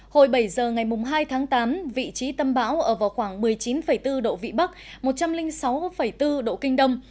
hồi bảy giờ ngày hai tháng tám vị trí tâm bão ở vào khoảng một mươi chín bốn độ vĩ bắc một trăm linh sáu bốn độ kinh đông